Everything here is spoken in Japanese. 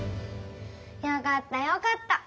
よかったよかった。